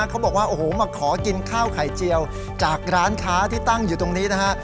เขาบอกว่าโอ้โหมาขอกินข้าวไข่เจียวจากร้านค้าที่ตั้งอยู่ตรงนี้นะฮะ